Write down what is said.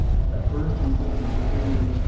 At first we lived in Superior, Wis.